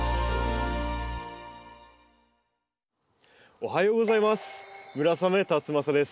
おはようございます。